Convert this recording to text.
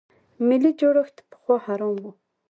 ملي جوړښت پخوا حرام و.